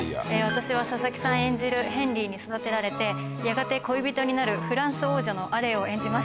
私は佐々木さん演じるヘンリーに育てられてやがて恋人になるフランス王女のアレーを演じます。